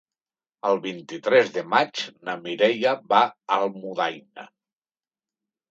El vint-i-tres de maig na Mireia va a Almudaina.